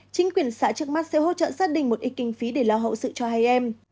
chính quyền xã trước mắt sẽ hỗ trợ gia đình một ít kinh phí để lo hậu sự cho hai em